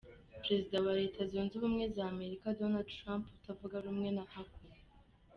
Perezida wa Leta Zunze Ubumwe z’Amerika Donald Trump utavuga rumwe na Akoni